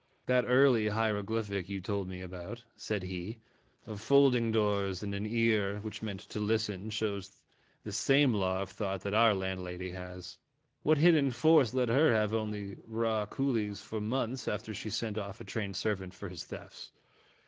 "That early hieroglyphic you told me about," said he, "of folding doors and an ear, which meant 'to listen/ shows the same law of thought that our landlady has. What hid den force let her have only raw coolies for months after she sent off a trained servant for his thefts?